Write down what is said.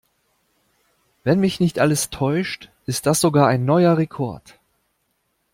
Wenn mich nicht alles täuscht, ist das sogar ein neuer Rekord.